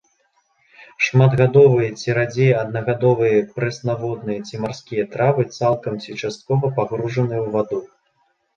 Шматгадовыя ці радзей аднагадовыя прэснаводныя ці марскія травы, цалкам ці часткова пагружаныя ў ваду.